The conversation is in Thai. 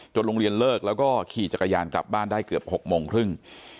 โรงเรียนเลิกแล้วก็ขี่จักรยานกลับบ้านได้เกือบ๖โมงครึ่ง